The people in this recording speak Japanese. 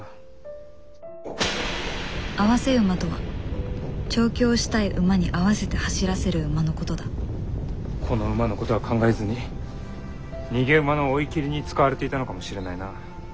併せ馬とは調教したい馬に併せて走らせる馬のことだこの馬のことは考えずに逃げ馬の追い切りに使われていたのかもしれないな。